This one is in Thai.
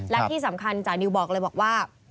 และที่สำคัญจานิวบอกเลยบอกว่า